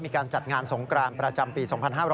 มีการจัดงานสงกรานประจำปี๒๕๕๙